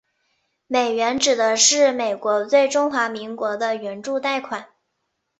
美援指的是美国对中华民国的援助贷款。